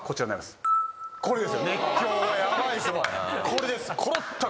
これです！